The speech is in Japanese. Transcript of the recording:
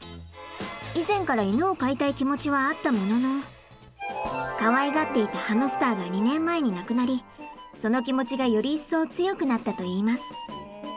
以前から犬を飼いたい気持ちはあったもののかわいがっていたハムスターが２年前に亡くなりその気持ちがより一層強くなったといいます。